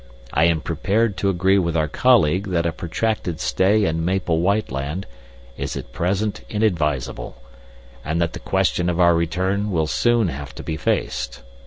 I am prepared to agree with our colleague that a protracted stay in Maple White Land is at present inadvisable, and that the question of our return will soon have to be faced.